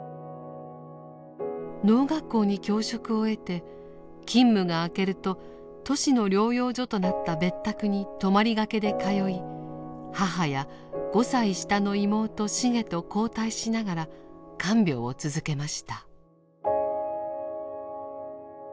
農学校に教職を得て勤務があけるとトシの療養所となった別宅に泊まりがけで通い母や５歳下の妹シゲと交代しながら看病を続けました。